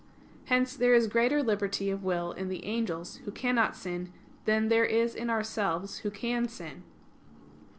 Hence there is greater liberty of will in the angels, who cannot sin, than there is in ourselves, who can sin.